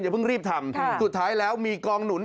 เพิ่งรีบทำสุดท้ายแล้วมีกองหนุน